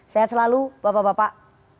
sehat selalu bapak bapak